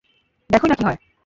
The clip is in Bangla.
দেখোই না কী হয়!